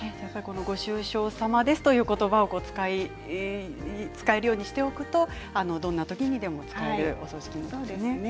ご愁傷さまですということばを使えるようにしているとどんなときでも使えるということですね。